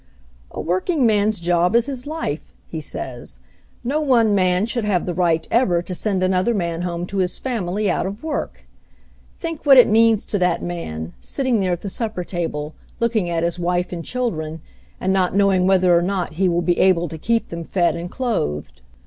"A workingman's job is his life," he says. "No one man should have the right ever to send another man home to his family out of work. Think what it means to that man, sitting there at the supper table, looking at his wife and chil dren, and not knowing whether or not he will be able to keep them fed and clothed.